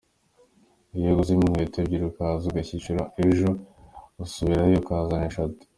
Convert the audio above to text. Iyo uguzemo inkweto ebyiri ukaza ukazigurisha, ejo usubirayo ukazana eshatu.